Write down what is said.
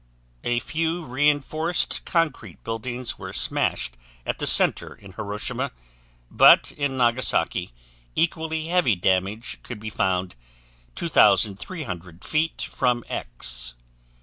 A few reinforced concrete buildings were smashed at the center in Hiroshima, but in Nagasaki equally heavy damage could be found 2,300 feet from X.